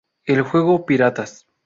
El juego "¡Piratas!